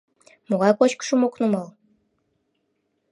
Могай кочкышым ок нумал?